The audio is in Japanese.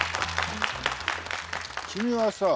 君はさあ。